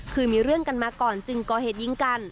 เคยมีเรื่องกันมาก่อนจึงก่อเหตุยิงกัน